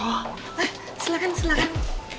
oh eh silakan silakan